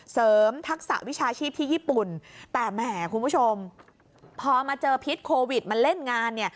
ทักษะวิชาชีพที่ญี่ปุ่นแต่แหมคุณผู้ชมพอมาเจอพิษโควิดมาเล่นงานเนี่ย